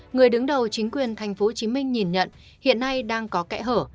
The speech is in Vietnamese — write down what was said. người đứng đầu chính quyền tp hcm nhìn nhận hiện nay đang có kẽ hở